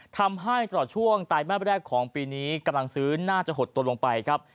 ทำให้ตลอดช่วงไตรมาสแรกของปีนี้กำลังซื้อน่าจะหดตัวลงไปครับ